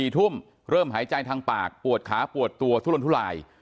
๔ทุ่มเริ่มหายใจทางปากปวดขาปวดตัวทุลนทุลาย